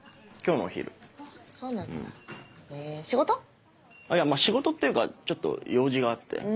まぁいや仕事っていうかちょっと用事があって。